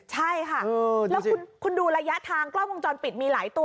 ใช่ค่ะแล้วคุณดูระยะทางกล้องวงจรปิดมีหลายตัว